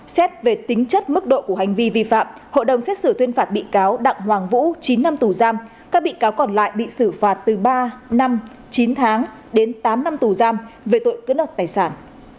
xét về tính chất mức độ của hành vi vi phạm hội đồng xét xử tuyên phạt bị cáo đặng hoàng vũ chín năm tù giam các bị cáo còn lại bị xử phạt từ ba năm chín tháng đến tám năm tù giam về tội cưỡng đoạt tài sản